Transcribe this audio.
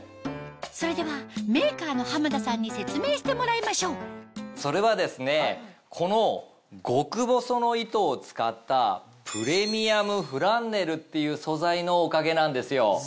それではメーカーの濱田さんに説明してもらいましょうそれはですねこの極細の糸を使ったプレミアムフランネルっていう素材のおかげなんですよ。